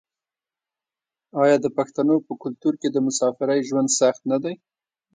آیا د پښتنو په کلتور کې د مسافرۍ ژوند سخت نه دی؟